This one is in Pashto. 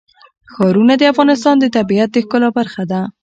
ښارونه د افغانستان د طبیعت د ښکلا برخه ده.